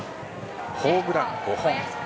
ホームラン５本。